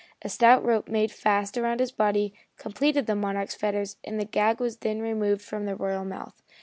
A stout rope made fast about his body completed the Monarch's fetters and the gag was then removed from the royal mouth.